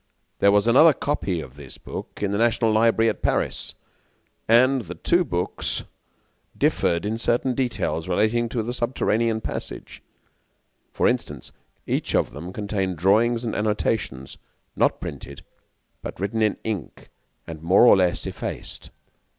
There was another copy of this book in the National Library at Paris, and the two books differed in certain details relating to the subterranean passage; for instance, each of them contained drawings and annotations, not printed, but written in ink and more or less effaced.